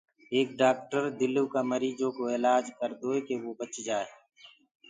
ايڪ ڊآڪٽر دلو ڪآ مريٚجو ڪوُ الآج ڪردوئي ڪي وو بچ جآئي